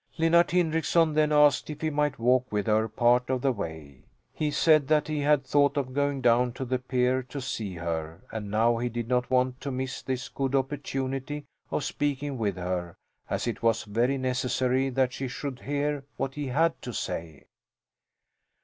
Linnart Hindrickson then asked if he might walk with her part of the way. He said that he had thought of going down to the pier to see her and now he did not want to miss this good opportunity of speaking with her, as it was very necessary that she should hear what he had to say.